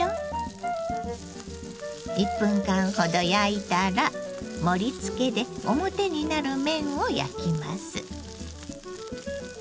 １分間ほど焼いたら盛りつけで表になる面を焼きます。